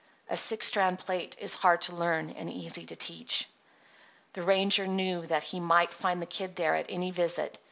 A six strand plait is hard to learn and easy to teach. The ranger knew that he might find the Kid there at any visit.